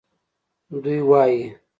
دوی وایي